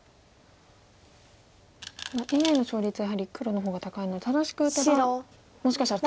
ただＡＩの勝率はやはり黒の方が高いので正しく打てばもしかしたら。